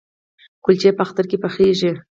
کلچې په اختر کې پخیږي؟